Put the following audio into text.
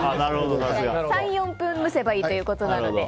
３４分蒸せばいいということなので。